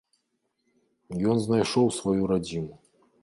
Ён знайшоў сваю радзіму.